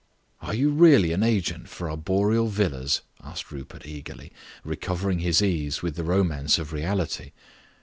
"Are you really an agent for arboreal villas?" asked Rupert eagerly, recovering his ease with the romance of reality.